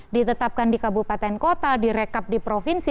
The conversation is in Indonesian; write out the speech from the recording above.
ditetapkan di kabupaten kota direkap di provinsi